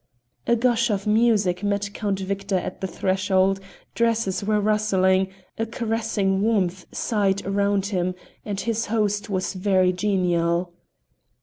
A gush of music met Count Victor at the threshold; dresses were rustling, a caressing warmth sighed round him, and his host was very genial.